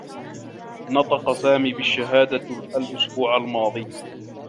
نطق سامي بالشّهادة الأسبوع الماضي.